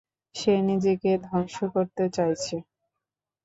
সে নিজেকে ধ্বংস করতে চাইছে।